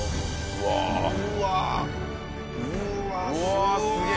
うわっすげえ！